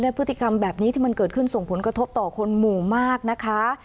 พฤติกรรมแบบนี้ที่มันเกิดขึ้นส่งผลกระทบต่อคนหมู่มากนะคะ